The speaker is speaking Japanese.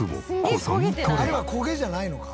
あれは焦げじゃないのか？